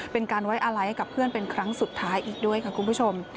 เป็นการไว้อาลัยให้กับเพื่อนเป็นครั้งสุดท้ายอีกด้วยค่ะคุณผู้ชม